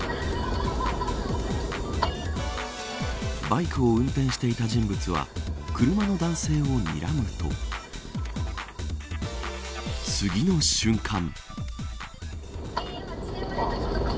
バイクを運転していた人物は車の男性をにらむと次の瞬間。